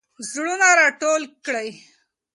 زړونه راټول کړئ.